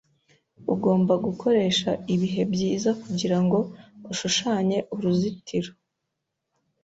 Ugomba gukoresha ibihe byiza kugirango ushushanye uruzitiro.